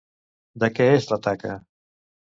De què és la taca?